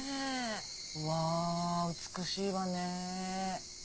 うわ美しいわね。